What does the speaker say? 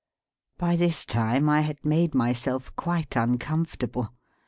By this time I had made myself quite uncomfortable.